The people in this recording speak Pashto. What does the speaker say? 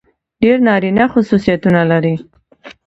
ډېر نارينه خصوصيتونه لري.